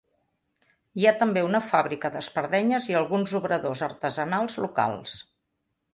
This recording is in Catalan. Hi ha també una fàbrica d'espardenyes i alguns obradors artesanals locals.